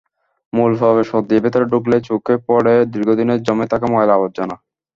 মূল প্রবেশপথ দিয়ে ভেতরে ঢুকলেই চোখে পড়ে দীর্ঘদিনের জমে থাকা ময়লা-আবর্জনা।